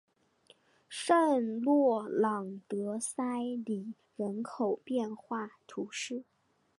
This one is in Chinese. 圣洛朗德塞里人口变化图示